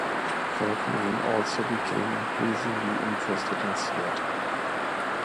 Kirkman also became increasingly interested in theatre.